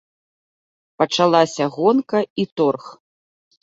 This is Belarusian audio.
Пачалася гонка і торг.